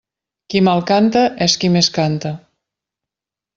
Qui mal canta és qui més canta.